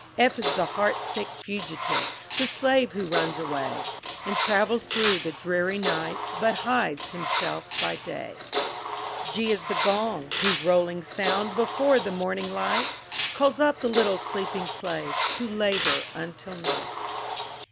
F is the heart sick Fugitive, The slave who runs away, And travels through the dreary night, But hides himself by day. G is the Gong, whose rolling sound, Before the morning light, Calls up the little sleeping slave, To labor until night.